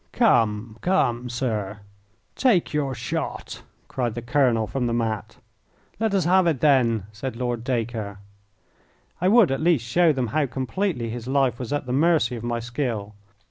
"Come, come, sir, take your shot!" cried the colonel from the mat. "Let us have it, then," said Lord Dacre. I would, at least, show them how completely his life was at the mercy of my skill.